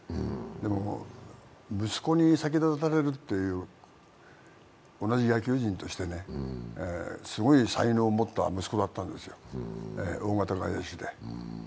でも息子に先立たれるという同じ野球人としてね、すごい才能を持った息子だったんですよ、大型エースで。